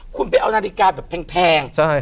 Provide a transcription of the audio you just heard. คุณไปเอานาฬิกาแบบแพง